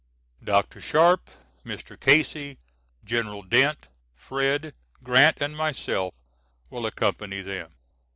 Dr. Sharp, Mr. Casey, Gen. Dent, Fred. Grant and myself, will accompany them.